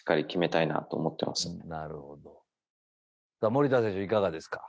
守田選手いかがですか？